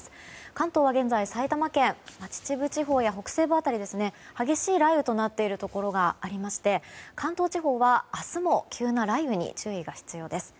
関東は現在埼玉県秩父地方や北西部辺りに激しい雷雨となっているところがありまして関東地方は明日も急な雷雨に注意が必要です。